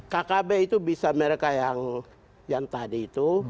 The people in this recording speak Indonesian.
kkb itu bisa mereka yang tadi itu